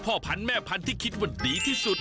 พันธุแม่พันธุ์ที่คิดว่าดีที่สุด